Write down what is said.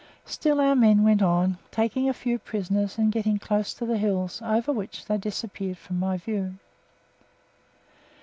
Still our men went on, taking a few prisoners and getting close to the hills, over which they disappeared from my view.